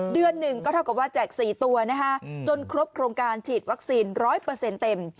เดือนหนึ่งก็เท่ากับว่าแจก๔ตัวนะคะจนครบโครงการฉีดวัคซีน๑๐๐เต็ม